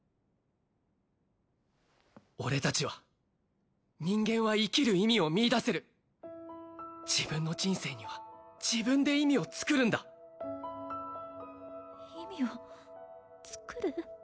俺達は人間は生きる意味を見いだせる自分の人生には自分で意味をつくるんだ意味をつくる？